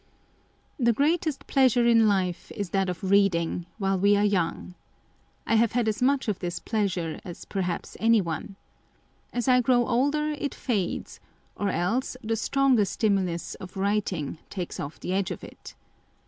1 The greatest pleasure in life is that of reading, while we are young. I have had as much of this pleasure as perhaps anyone. As I grow older, it fades ; or else, the stronger stimulus of writing takes off the edge of it.